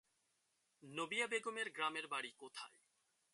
নবীয়া বেগমের গ্রামের বাড়ি কোথায়?